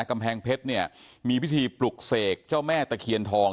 กำแพงเพชรเนี่ยมีพิธีปลุกเสกเจ้าแม่ตะเคียนทอง